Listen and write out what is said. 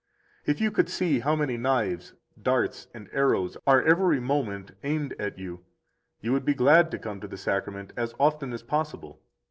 82 If you could see how many knives, darts, and arrows are every moment aimed at you, you would be glad to come to the Sacrament as often as possible.